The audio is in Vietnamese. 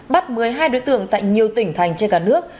bắt một mươi hai đối tượng tại nhiều tỉnh thành trên cả nước